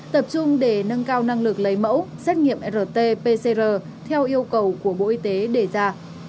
tập trung để nâng cao năng lực lấy mẫu xét nghiệm rt pcr theo yêu cầu của bộ y tế đề ra